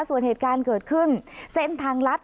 ส่วนเหตุการณ์เกิดขึ้นเส้นทางลัด